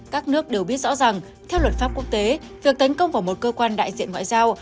các nước đều biết rõ ràng theo luật pháp quốc tế việc tấn công vào một cơ quan đại diện ngoại giao